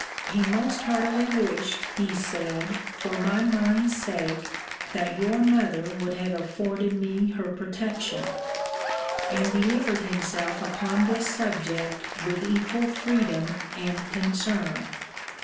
He most heartily wished, he said, for my mind's sake, that your mother would have afforded me her protection; and delivered himself upon this subject with equal freedom and concern.